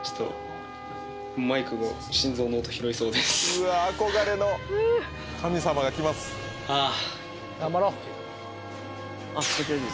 うわ憧れの神様が来ますあぁ